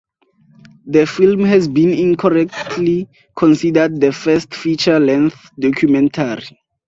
The film has been incorrectly considered the first feature-length documentary.